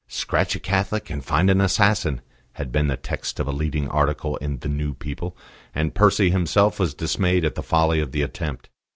"Scratch a Catholic and find an assassin" had been the text of a leading article in the New People, and Percy himself was dismayed at the folly of the attempt.